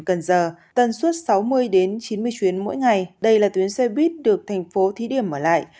bà giờ tần suốt sáu mươi đến chín mươi chuyến mỗi ngày đây là tuyến xe buýt được thành phố thí điểm mở lại